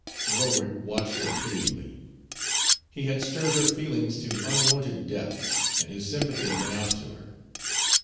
Warwick watched her pityingly. He had stirred her feelings to unwonted depths, and his sympathy went out to her.